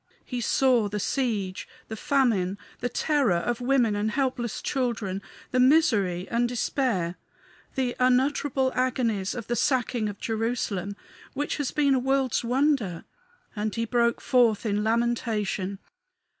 He saw the siege, the famine, the terror of women and helpless children, the misery and despair, the unutterable agonies of the sacking of Jerusalem, which has been a world's wonder; and he broke forth in lamentation.